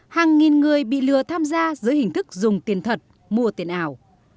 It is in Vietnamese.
hàng nghìn người bị lừa tham gia dưới hình thức dùng tiền thật mua tiền ảo